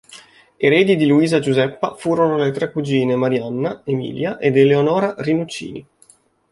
Eredi di Luisa Giuseppa furono le tre cugine Marianna, Emilia ed Eleonora Rinuccini.